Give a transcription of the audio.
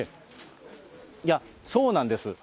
いや、そうなんです。